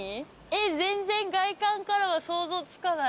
全然外観からは想像つかない。